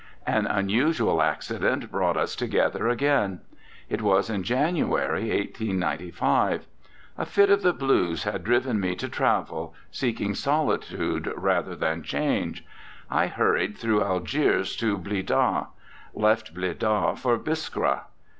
An unusual accident brought us to gether again. It was in January, 1895. A fit of the blues had driven me to travel, seeking solitude rather than change. I hurried through Algiers to Blidah; left Blidah for Biskra.